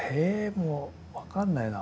もう分かんないな。